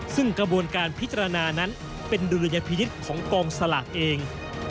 ซึ่งกระบวนการพิจารณานั้นเป็นดุลยพินิษฐ์ของกองสลากเอง